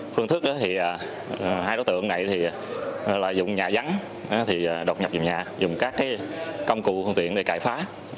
phương thức thì hai đó tượng này thì lợi dụng nhà rắn thì đọc nhập dùm nhà dùng các công cụ thường tiện để cải phá